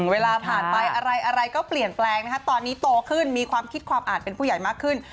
เวลาผ่านไปอะไรก็เปลี่ยนแปลงนะคะตอนนี้โตขึ้นมีความคิดความอาจเป็นผู้ใหญ่มากขึ้น